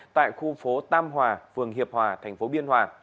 tại khu phố tam hòa phường hiệp hòa thành phố biên hòa